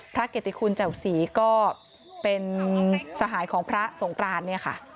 เกติคุณแจ่วศรีก็เป็นสหายของพระสงกรานเนี่ยค่ะ